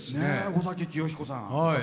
尾崎紀世彦さん。